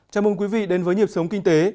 chào mừng quý vị đến với nhịp sống kinh tế